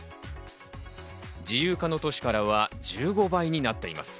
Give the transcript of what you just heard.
自由化の年からは１５倍になっています。